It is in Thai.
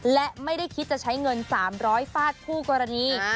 และไม่ได้คิดจะใช้เงิน๓๐๐ฟาดคู่กรณี